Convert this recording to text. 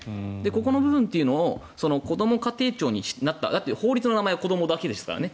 ここの部分をこども家庭庁になった法律の名前はこどもだけですからね